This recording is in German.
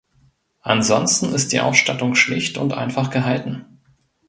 Ansonsten ist die Ausstattung schlicht und einfach gehalten.